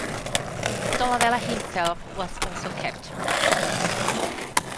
Dolabella himself was also captured.